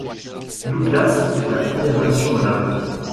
Douglas quitte la fédération en avril.